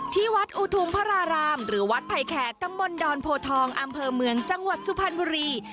ที่วัดอุทุมพระรารามหรือวัดไผ่แขกตำบลดอนโพทองอำเภอเมืองจังหวัดสุพรรณบุรี